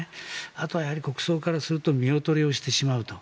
あとは国葬からすると見劣りをしてしまうと。